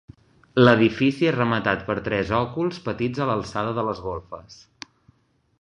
L'edifici és rematat per tres òculs petits a l'alçada de les golfes.